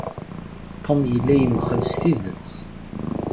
Tom yella yemxell s tidet.